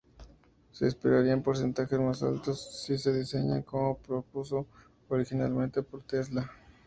Se esperarían porcentajes más altos si se diseñan como se propuso originalmente por Tesla.